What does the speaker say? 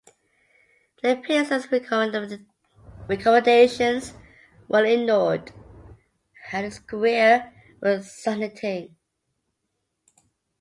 It appears his recommendations were ignored and his career was stagnating.